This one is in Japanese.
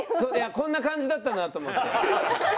「こんな感じだったな」って。